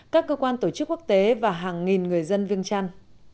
các cơ quan tổ chức quốc tế và hàng nghìn người dân viêng trăn